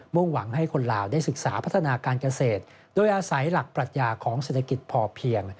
่งหวังให้คนลาวได้ศึกษาพัฒนาการเกษตรโดยอาศัยหลักปรัชญาของเศรษฐกิจพอเพียง